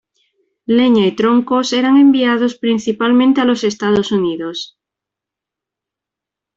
Leña y troncos eran enviados principalmente a los Estados Unidos.